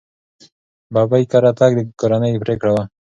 ببۍ کره تګ د کورنۍ پرېکړه وه.